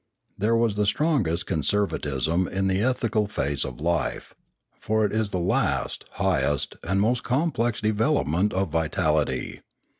There was the strongest conservatism in the ethical phase of life; for it is the last, highest, and most com plex development of vitality.